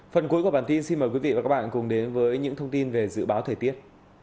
phần cuối của bản tin xin mời quý vị và các bạn cùng đến với những thông tin về dự báo thời tiết